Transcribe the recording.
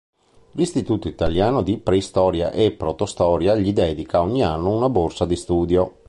L'Istituto italiano di preistoria e protostoria gli dedica ogni anno una borsa di studio.